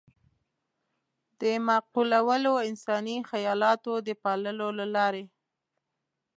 د معقولو انساني خيالاتو د پاللو له لارې.